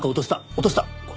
落とした！